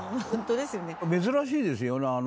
珍しいですよね。